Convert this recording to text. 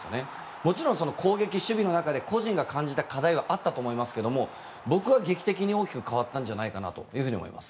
もちろん攻撃、守備の中で個人が感じた課題はあったと思いますが僕は劇的に大きく変わったんじゃないかと思います。